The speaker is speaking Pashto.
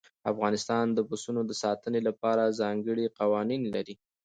افغانستان د پسونو د ساتنې لپاره ځانګړي قوانين لري.